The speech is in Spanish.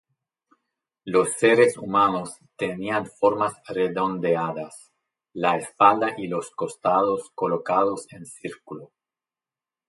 Los seres humanos tenían formas redondeadas: la espalda y los costados colocados en círculo.